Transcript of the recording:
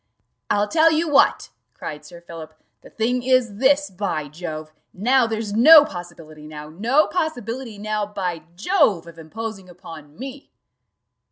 "I'll tell you what," cried Sir Philip, "the thing is this: by Jove! now, there's no possibility now no possibility now, by Jove! of imposing upon me."